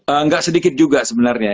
enggak sedikit juga sebenarnya